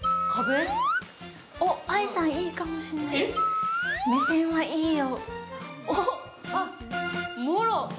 愛さんいいかもしれない、目線はいいよ。